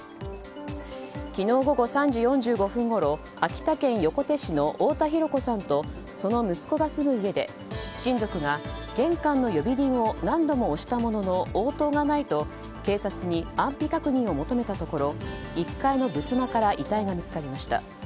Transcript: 昨日午後３時４５分ごろ秋田県横手市の太田弘子さんとその息子が住む家で親族が玄関の呼び鈴を何度も押したものの応答がないと警察に安否確認を求めたところ１階の仏間から遺体が見つかりました。